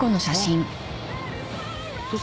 どうしたの？